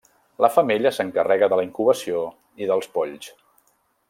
La femella s'encarrega de la incubació i dels polls.